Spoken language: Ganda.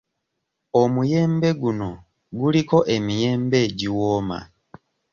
Omuyembe guno guliko emiyembe egiwooma.